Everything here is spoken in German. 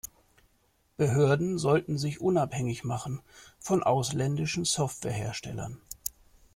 Behörden sollten sich unabhängig machen von ausländischen Software-Herstellern.